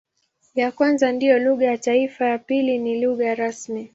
Ya kwanza ndiyo lugha ya taifa, ya pili ni pia lugha rasmi.